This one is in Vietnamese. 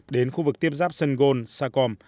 đến khu vực tiếp giáp sơn gôn sa còm